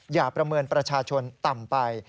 อย่าประเมินประชาชนต่ำไป